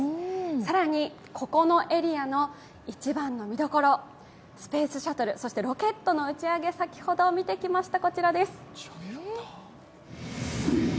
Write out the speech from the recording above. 更に、ここのエリアの一番の見どころ、スペースシャトルそしてロケットの打ち上げ先ほど見てきました。